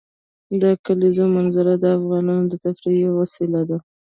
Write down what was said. د کلیزو منظره د افغانانو د تفریح یوه وسیله ده.